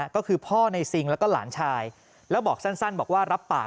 ก็คือพ่อในซิงแล้วก็หลานชายแล้วบอกสั้นบอกว่ารับปาก